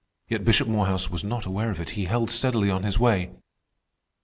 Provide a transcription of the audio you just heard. Yet Bishop Morehouse was not aware of it. He held steadily on his way.